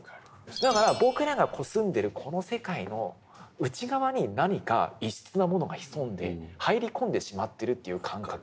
だから僕らが住んでるこの世界の内側に何か異質なものが潜んで入り込んでしまってるという感覚。